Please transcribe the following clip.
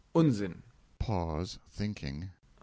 Unsinn! (Pause thinking.)